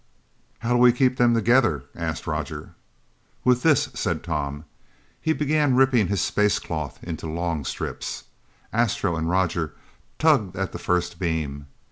"How do we keep them together?" asked Roger. "With this!" said Tom. He began ripping his space cloth into long strips. Astro and Roger tugged at the first beam.